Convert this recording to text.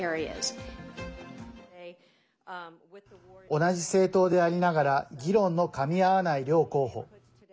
同じ政党でありながら議論のかみ合わない両候補。